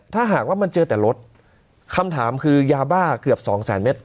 ถ้าหากว่ามันเจอแต่รถคำถามคือยาบ้าเกือบสองแสนเมตร